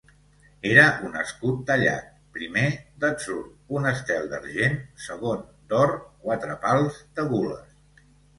Era un escut tallat: primer, d'atzur, un estel d'argent; segon, d'or, quatre pals de gules.